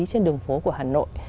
trên đường phố của hà nội